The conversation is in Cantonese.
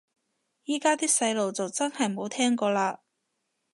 依家啲細路就真係冇聽過嘞